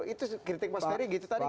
itu kritik pak seri gitu tadi gimana